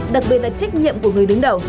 đặc biệt là trách nhiệm của người đứng đầu